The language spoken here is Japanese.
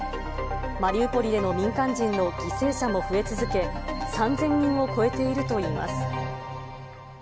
マリウポリでの民間人の犠牲者も増え続け、３０００人を超えているといいます。